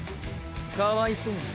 かわいそうに。